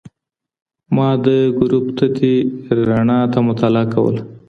ما د ګروپ تتې رڼا ته مطالعه کوله.